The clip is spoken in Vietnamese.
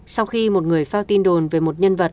sau khi một người phao tin đồn về một nhân vật